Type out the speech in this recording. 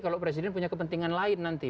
kalau presiden punya kepentingan lain nanti